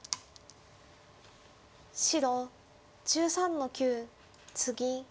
白１３の九ツギ。